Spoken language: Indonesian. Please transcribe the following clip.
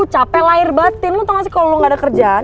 capek lahir batin lu tau gak sih kalau lo gak ada kerjaan